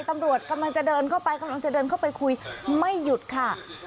ตำรวจกำลังจะเดินเข้าไปกำลังจะเดินเข้าไปคุยไม่หยุดค่ะ